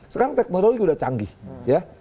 sekarang teknologi udah canggih